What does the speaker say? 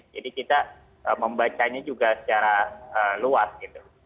jadi kita membacanya juga secara luas gitu